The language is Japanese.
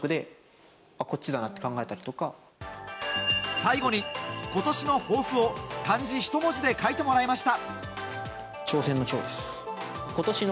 最後に、今年の抱負を漢字１文字で書いてもらいました。